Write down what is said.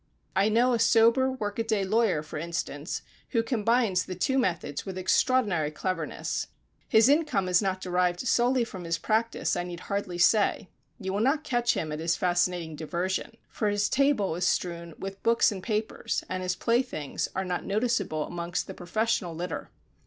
I know a sober, workaday lawyer, for instance, who combines the two methods with extraordinary cleverness. His income is not derived solely from his practice, I need hardly say. You will not catch him at his fascinating diversion, for his table is strewn with books and papers, and his playthings are not noticeable amongst the professional litter.